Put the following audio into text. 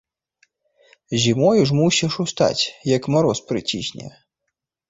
Зімою ж мусіш устаць, як мароз прыцісне.